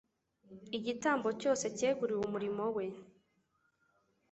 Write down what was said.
Igitambo cyose cyeguriwe umurimo we,